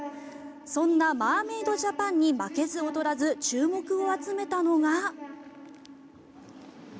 そんなマーメイドジャパンに負けず劣らず注目を集めたのが。